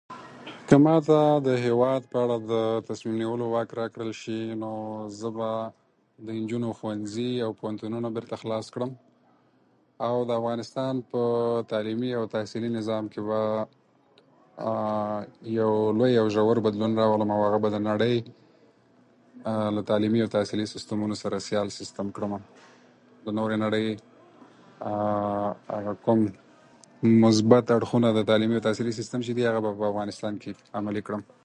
د زړو کورونو ړنګول يا ورانول او نوي جوړول د هيواد په اقتصاد کې مهمه ونډه لري